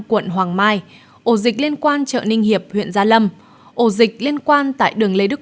quận hoàng mai ổ dịch liên quan chợ ninh hiệp huyện gia lâm ổ dịch liên quan tại đường lê đức